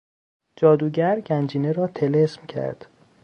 جادوگر گنجینه را طلسم کرد.